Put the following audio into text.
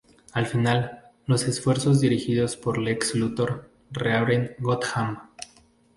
Al final, los esfuerzos dirigidos por Lex Luthor re-abren Gotham.